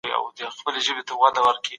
عدالت د هوسا ټولني بنسټ جوړوي.